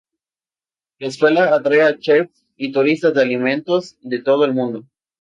La escuela atrae a chefs y turistas de alimentos de todo el mundo.